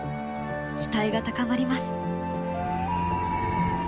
期待が高まります！